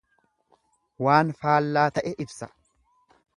Waan faallaa ta'e ibsa.